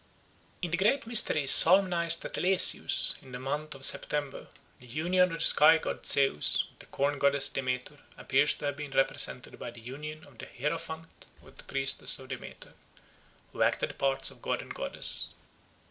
In the great mysteries solemnised at Eleusis in the month of September the union of the sky god Zeus with the corn goddess Demeter appears to have been represented by the union of the hierophant with the priestess of Demeter, who acted the parts of god and goddess.